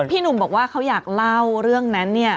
หนุ่มบอกว่าเขาอยากเล่าเรื่องนั้นเนี่ย